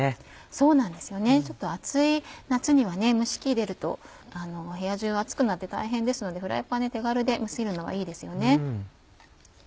そうなんですよね暑い夏には蒸し器入れると部屋中暑くなって大変ですのでフライパンで手軽に蒸せるのはいいですよね。